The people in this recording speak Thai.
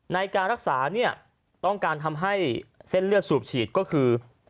ในการรักษาเนี่ยต้องการทำให้เส้นเลือดสูบฉีดก็คือ